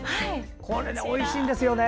これ、おいしいんですよね。